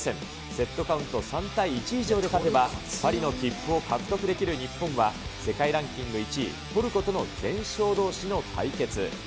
セットカウント３対１以上で勝てば、パリの切符を獲得できる日本は、世界ランキング１位トルコとの全勝どうしの対決。